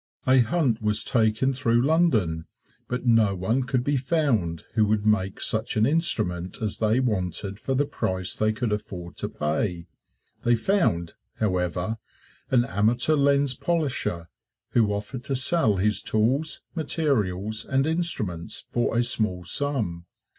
A hunt was taken through London, but no one could be found who would make such an instrument as they wanted for the price they could afford to pay. They found, however, an amateur lens polisher who offered to sell his tools, materials and instruments for a small sum.